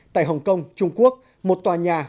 tại hồng kông trung quốc một tòa nhà